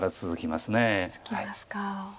続きますか。